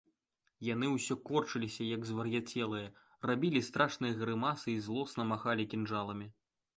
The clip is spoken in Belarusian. Яны ўсе корчыліся, як звар'яцелыя, рабілі страшныя грымасы і злосна махалі кінжаламі.